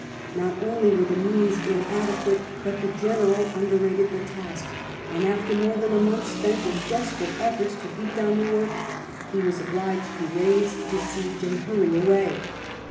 Not only were the means inadequate, but the General underrated the task. VIII FAILS TO TAKE BURGOS 171 and after more than a month spent in desperate eflforts to beat down the work, he was obliged to raise the siege and hurry away.